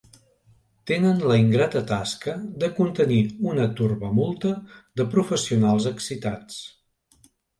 Tenen la ingrata tasca de contenir una turbamulta de professionals excitats.